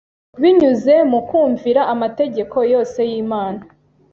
Binyuze mu kumvira amategeko yose y’Imana,